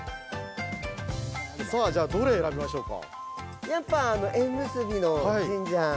さあ、じゃあどれ選びましょうか？